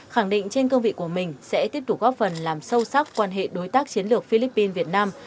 khẳng định trên cương vị của mình sẽ tiếp tục góp phần làm sâu sắc quan hệ đối tác chiến lược philippines việt nam